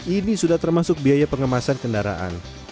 ini sudah termasuk biaya pengemasan kendaraan